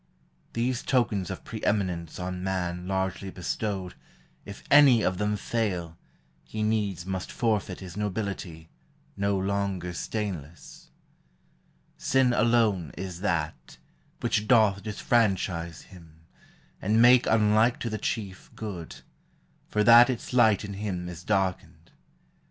These tokens of pre eminence on man Largely bestowed, if any of them fail, He needs must forfeit his nobility. No longer stainless. Sin alone is that. Which doth disfranchise him, and make unlike To the chief good; for that its light in him 442 THE HIGHER LIFE. Is darkened.